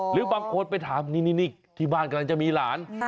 หรือบางคนไปถามนี่ที่บ้านกำลังจะมีหลาน